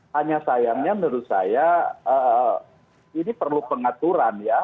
hanya sayangnya menurut saya ini perlu pengaturan ya